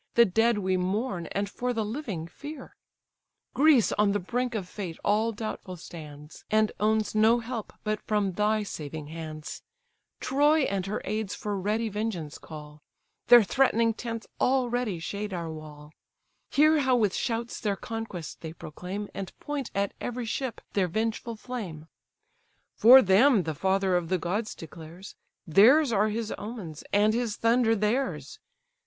The dead we mourn, and for the living fear; Greece on the brink of fate all doubtful stands, And owns no help but from thy saving hands: Troy and her aids for ready vengeance call; Their threatening tents already shade our wall: Hear how with shouts their conquest they proclaim, And point at every ship their vengeful flame! For them the father of the gods declares, Theirs are his omens, and his thunder theirs.